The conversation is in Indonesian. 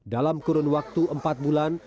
dalam kurun waktu empat bulan